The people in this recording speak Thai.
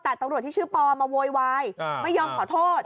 แต่ตำรวจที่ชื่อปอมาโวยวายไม่ยอมขอโทษ